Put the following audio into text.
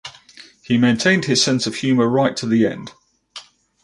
He maintained his sense of humour right to the end.